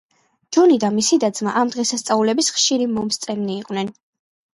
ჯონი და მისი და-ძმა ამ დღესასწაულების ხშირო მომსწრენი იყვნენ.